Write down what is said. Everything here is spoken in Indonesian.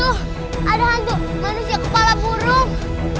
eh tuh ada hantu manusia kepala burung